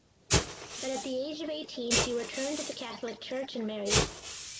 But at the age of eighteen he returned to the Catholic Church and married.